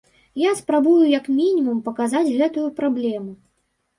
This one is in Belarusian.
Я спрабую як мінімум паказаць гэтую праблему.